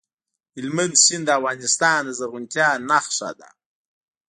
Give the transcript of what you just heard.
هلمند سیند د افغانستان د زرغونتیا نښه ده.